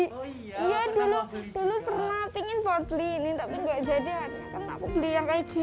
iya dulu pernah ingin buat beli ini tapi nggak jadi karena aku beli yang kayak gini